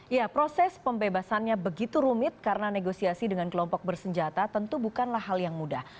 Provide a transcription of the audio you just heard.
ya proses pembebasannya begitu rumit karena negosiasi dengan kelompok bersenjata tentu bukanlah hal yang mudah